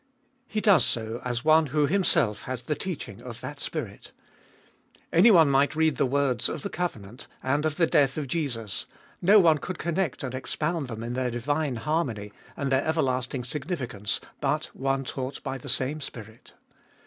He does so as one who himself has the teaching of that Spirit. Anyone might read the words of the covenant, and of the death of Jesus ; no one could connect and expound them in their divine harmony and their everlasting significance but one taught by the same Spirit.